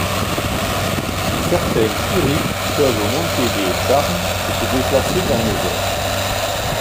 Certains Kurii peuvent monter des tarns et se déplacer dans les airs.